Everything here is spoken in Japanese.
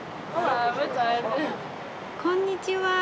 こんにちは。